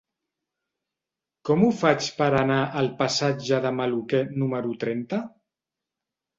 Com ho faig per anar al passatge de Maluquer número trenta?